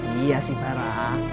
iya sih bara